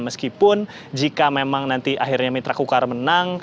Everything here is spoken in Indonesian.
meskipun jika memang nanti akhirnya mitra kukar menang